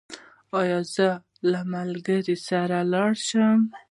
ایا زه له ملګري سره راشم؟